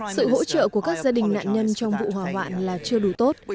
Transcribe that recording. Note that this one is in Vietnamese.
sự hỗ trợ của các gia đình nạn nhân trong vụ hỏa hoạn là chưa đủ tốt